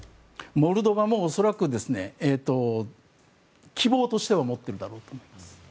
モルドバも恐らく希望としては持っていると思います。